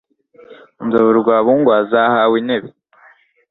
inzovu rwabunga zahawe intebe